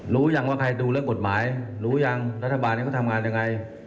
ก็ยังไม่มีประโยชน์เลยทุกอย่าง